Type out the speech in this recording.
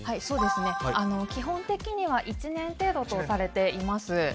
基本的には１年程度とされています。